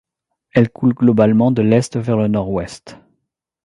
Elle coule globalement de l'est vers le nord-ouest..